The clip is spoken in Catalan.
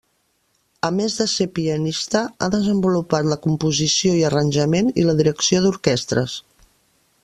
A més de ser pianista, ha desenvolupat la composició i arranjament i la direcció d'orquestres.